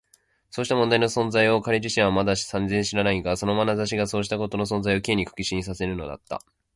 そうした問題の存在を彼自身はまだ全然知らないが、そのまなざしがそうしたことの存在を Ｋ に確信させるのだった。